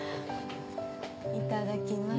いただきます。